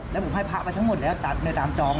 แล้วผมให้พรรคไปทั้งหมดแล้วตัดตามจองนะครับ